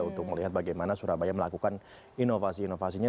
untuk melihat bagaimana surabaya melakukan inovasi inovasinya